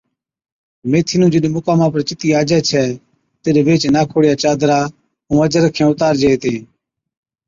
ميٿِي نُون جِڏ مُقاما پر چتِي آجَي ڇَي تِڏ ويھِچ ناکوڙِيا چادرا ائُون اجرکين اُتارجي ھِتِين